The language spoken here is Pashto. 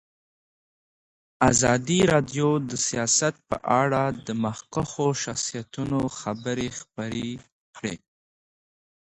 ازادي راډیو د سیاست په اړه د مخکښو شخصیتونو خبرې خپرې کړي.